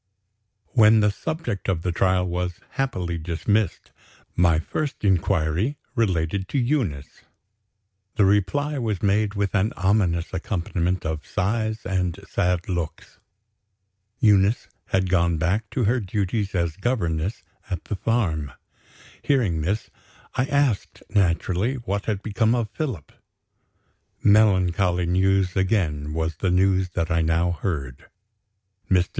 When the subject of the trial was happily dismissed, my first inquiry related to Eunice. The reply was made with an ominous accompaniment of sighs and sad looks. Eunice had gone back to her duties as governess at the farm. Hearing this, I asked naturally what had become of Philip. Melancholy news, again, was the news that I now heard. Mr.